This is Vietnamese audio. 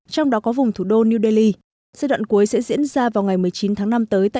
trong đó có vùng thủ đô new delhi giai đoạn cuối sẽ diễn ra vào ngày một mươi chín tháng năm tới tại